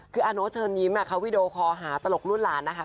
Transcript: คืออนโนเซอลยิ้มไว้วิดีโอเคาะถัดให้หาทำตลกลูกหลานนะคะ